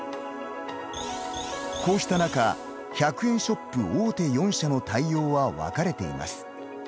こうした中、１００円ショップ大手４社の対応は分かれています。